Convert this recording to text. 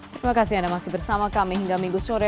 terima kasih anda masih bersama kami hingga minggu sore